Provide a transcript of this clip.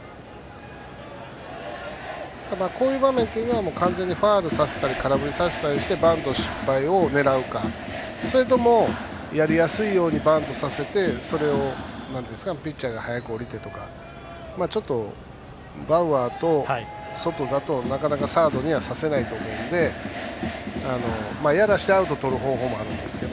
こういう場面というのはファウルさせたり空振りさせたりしてバント失敗を狙うかそれとも、やりやすいようにバントさせてそれをピッチャーが早く降りてとかちょっとバウアーと、ソトだとなかなか、サードにはさせないと思うのでやらせてアウトとる方法もあるんですが